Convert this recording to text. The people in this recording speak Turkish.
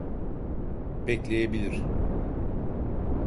Bekleyebilir.